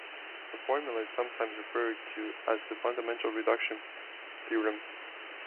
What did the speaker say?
The formula is sometimes referred to as the fundamental reduction theorem.